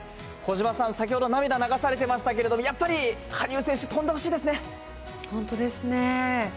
小島さん、先ほど、涙流されていましたけれども、やっぱり羽生選手、跳んでほしいで本当ですね。